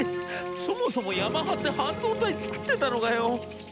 そもそもヤマハって半導体作ってたのかよ？』。